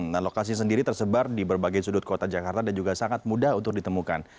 nah lokasi sendiri tersebar di berbagai sudut kota jakarta dan juga sangat mudah untuk ditemukan